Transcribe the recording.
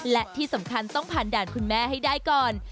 และที่สำคัญต้องผ่านด่านคุณแม่ให้ได้ก่อน